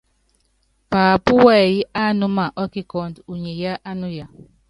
Paapú wɛyí ánúma ɔ́kikɔ́ndɔ, unyi yá ánuya.